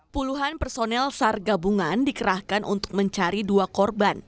puluhan personel sar gabungan dikerahkan untuk mencari dua korban